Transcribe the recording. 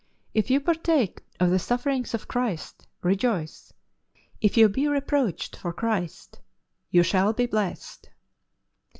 " If you partake of the sufferings of Christ rejoice. ... If you be reproached for Christ you shall be blessed.